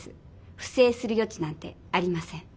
不正するよ地なんてありません。